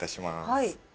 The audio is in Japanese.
はい。